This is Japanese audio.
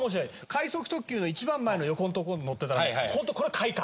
快速特急の一番前の横のとこに乗ってたらホントこれ快感。